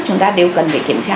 chúng ta đều cần phải kiểm tra